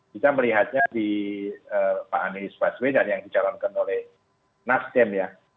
kita melihatnya di pak anies baswedan yang dicalonkan oleh nasdem ya